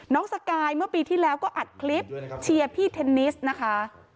สกายเมื่อปีที่แล้วก็อัดคลิปเชียร์พี่เทนนิสนะคะ